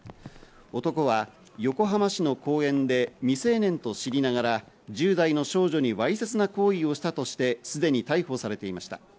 男は横浜市の公園で、未成年と知りながら１０代の少女にわいせつな行為をしたとして、すでに逮捕されていました。